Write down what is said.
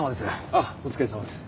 ああお疲れさまです。